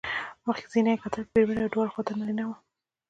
منځنی کتار کې مېرمنې او دواړو خواوو ته نارینه وو.